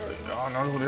なるほど。